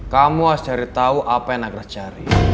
kamu harus cari tahu apa yang nagraf cari